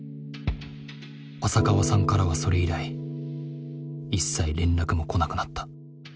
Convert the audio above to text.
浅川さんからはそれ以来一切連絡も来なくなった。